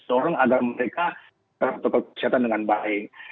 dorong agar mereka protokol kesehatan dengan baik